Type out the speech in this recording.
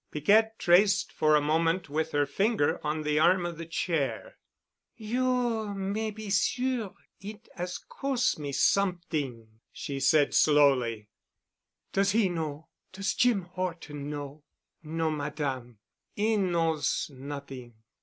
Piquette traced for a moment with her finger on the arm of the chair. "You may be' sure it 'as cos' me somet'ing," she said slowly. "Does he know—does Jim Horton know?" "No, Madame. He knows noding."